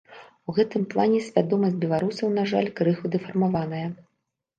У гэтым плане свядомасць беларусаў, на жаль, крыху дэфармаваная.